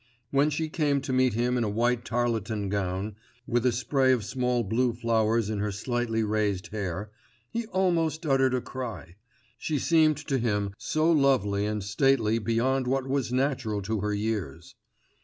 When she came to meet him in a white tarlatan gown, with a spray of small blue flowers in her slightly raised hair, he almost uttered a cry; she seemed to him so lovely and stately beyond what was natural to her years.